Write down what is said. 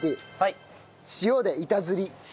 塩で板ずり。